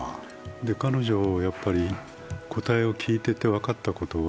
彼女の答えを聞いていて分かったことは